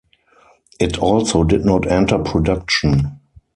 It also did not enter production.